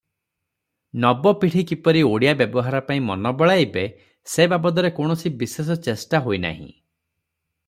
ନବପିଢ଼ି କିପରି ଓଡ଼ିଆ ବ୍ୟବହାର ପାଇଁ ମନ ବଳାଇବେ ସେ ବାବଦରେ କୌଣସି ବିଶେଷ ଚେଷ୍ଟା ହୋଇନାହିଁ ।